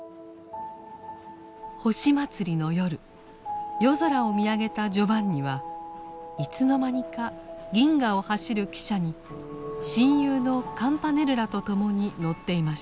星まつりの夜夜空を見上げたジョバンニはいつの間にか銀河を走る汽車に親友のカムパネルラと共に乗っていました。